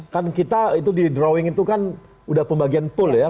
kan kita itu di drawing itu kan udah pembagian pool ya